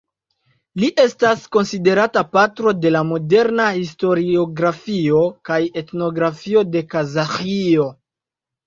Li estas konsiderata patro de la moderna historiografio kaj etnografio de Kazaĥio.